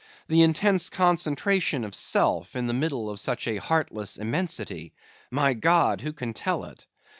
The intense concentration of self in the middle of such a heartless immensity, my God! who can tell it?